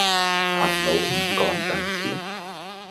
陳老五趕上前，